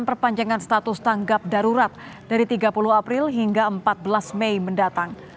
perpanjangan status tanggap darurat dari tiga puluh april hingga empat belas mei mendatang